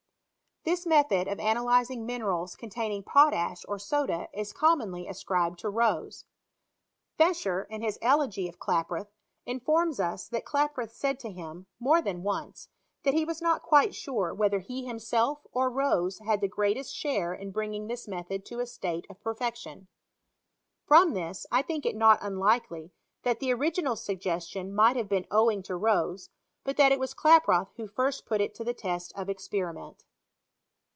Tbis method of analyzing minerals containing pot ash or soda is comnionly ascribed to Rose. Fescher, in his Eloge of Klaproth, informs us that K1& proth said to him, more than once, that he was not quite sure whether he himself, or Rose, had the greatest share in bringing this method to a state of perfection. From this, 1 think it not unlikely that the original suggestion might have been owing to Rose, hat that it was Klaproth who first put it to the test of experiment.